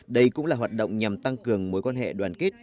đây cũng là hoạt động nhằm tăng cường mối quan hệ đoàn kết